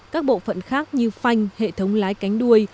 các bộ phận khác như phanh hệ thống lái cánh đuôi